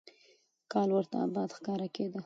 کال ورته آباد ښکارېده.